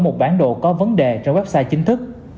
một bản đồ có vấn đề trên website chính thức